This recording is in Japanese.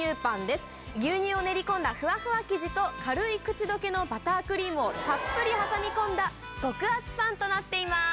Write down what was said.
牛乳を練り込んだフワフワ生地と軽い口溶けのバタークリームをたっぷり挟み込んだ極厚パンとなっています。